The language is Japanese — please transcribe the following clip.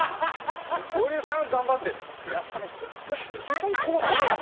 基本こうなんだよ。